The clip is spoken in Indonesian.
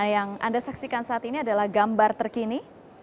yang anda saksikan saat ini adalah gambar terkini